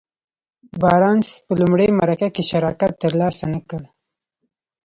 بارنس په لومړۍ مرکه کې شراکت تر لاسه نه کړ.